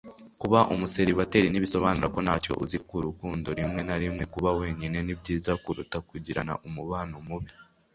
kuba umuseribateri ntibisobanura ko ntacyo uzi ku rukundo rimwe na rimwe, kuba wenyine ni byiza kuruta kugirana umubano mubi